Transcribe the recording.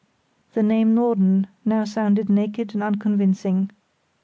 The name Norden now sounded naked and unconvincing.